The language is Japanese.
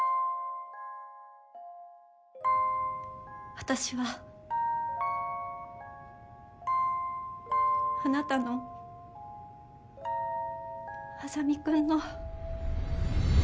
私はあなたの莇君の。